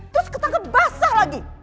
terus ketangke basah lagi